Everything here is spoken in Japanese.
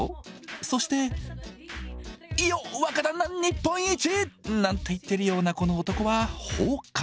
そして「いよ！若旦那日本一！」なんて言っているようなこの男は「幇間」。